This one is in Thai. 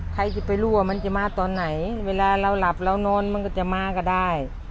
ใครจะไปรู้ว่ามันจะมาตอนไหนเวลาเราหลับเรานอนมันก็จะมาก็ได้